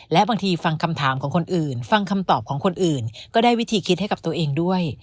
และบางทีฟังคำถามของคนอื่นฟังคำตอบของคนอื่นก็ได้วิธีคิดให้กับตัวเองด้วย